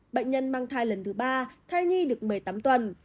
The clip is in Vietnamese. bệnh nhân mang thai lần thứ ba thai nhi được một mươi tám tuần